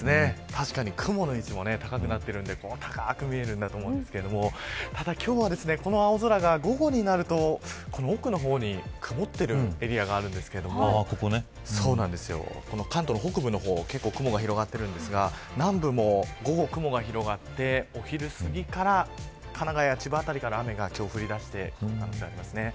雲の位置も高くなっているので高く見えるんだと思うんですけれど今日は、この青空が午後になると奥の方に曇っているエリアがあるんですけれど関東の北部の方は雲が広がっているんですが南部も午後、雲が広がってお昼すぎから神奈川や千葉辺りから雨が降り始める可能性がありますね。